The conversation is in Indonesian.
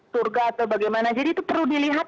surga atau bagaimana jadi itu perlu dilihat